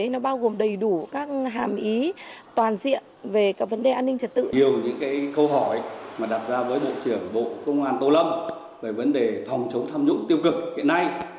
nhiều những câu hỏi đặt ra với bộ trưởng bộ công an tô lâm về vấn đề phòng chống tham nhũng tiêu cực hiện nay